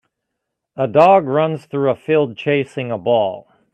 A dog runs through a field chasing a ball.